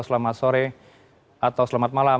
selamat sore atau selamat malam